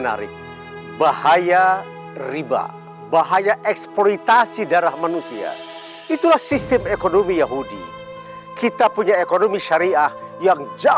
nah kita pasti masuk surga